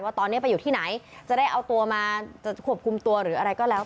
ตอนนี้ไปอยู่ที่ไหนจะได้เอาตัวมาจะควบคุมตัวหรืออะไรก็แล้ว